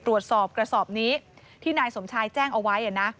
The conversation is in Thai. ตรวจสอบกระสอบนี้ที่นายสมชายแจ้งเอาไว้นะ